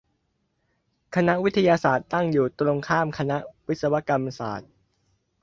คณะวิทยาศาสตร์ ตั้งอยู่ตรงข้ามคณะวิศวกรรมศาสตร์